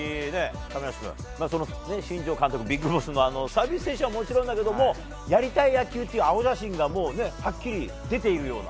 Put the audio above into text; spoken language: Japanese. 亀梨君、新庄監督、ビッグボスもサービス精神はもちろんだけどやりたい野球の青写真がはっきり出ているような。